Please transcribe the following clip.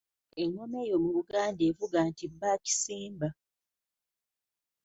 Engoma eyo mu Buganda evuga nti bbaakisimba .